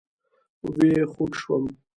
وئ خوږ شوم